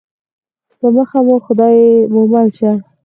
په مخه مو ښه خدای مو مل شه